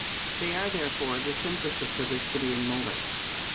They are therefore the simplest of proboscidean molars.